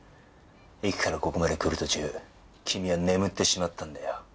駅からここまで来る途中君は眠ってしまったんだよ。